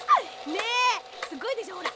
ねえすっごいでしょほら。